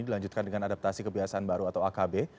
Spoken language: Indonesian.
dilanjutkan dengan adaptasi kebiasaan baru atau akb